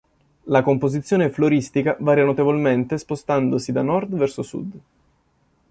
La composizione floristica varia notevolmente spostandosi da nord verso sud.